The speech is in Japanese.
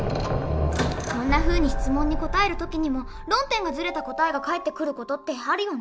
こんなふうに質問に答える時にも論点がずれた答えが返ってくる事ってあるよね。